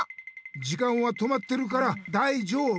時間は止まってるからだいじょうぶ！